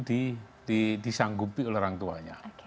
disanggupi oleh orang tuanya